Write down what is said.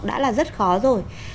đã là rất khó rồi